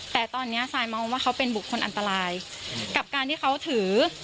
แต่ตอนนี้ซายมองว่าเขาเป็นบุคคลอันตรายกับการที่เขาถือ